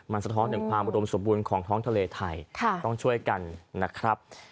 มันสะท้อนถึงความอุดมสมบูรณ์ของท้องทะเลไทยต้องช่วยกันนะครับ